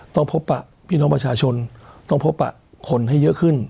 ต้องพบปะพี่น้องประชาชนต้องพบคนให้เยอะขึ้น